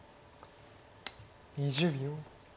２０秒。